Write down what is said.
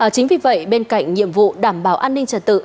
chính vì vậy bên cạnh nhiệm vụ đảm bảo an ninh trật tự